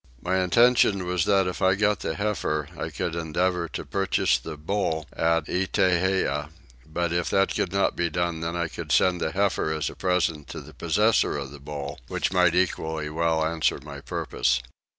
My intention was that if I got the heifer I would endeavour to purchase the bull at Itteah: but if that could not be done then I could send the heifer as a present to the possessor of the bull, which might equally well answer my purpose.